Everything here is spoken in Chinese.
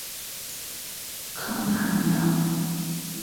康帕尼昂。